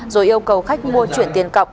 rồi yêu cầu khách mua chuyển tiền cọc